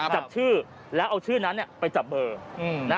จับชื่อแล้วเอาชื่อนั้นไปจับเบอร์